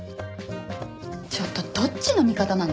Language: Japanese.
ちょっとどっちの味方なの？